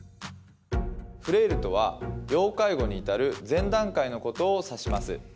フレイルとは要介護に至る前段階のことを指します。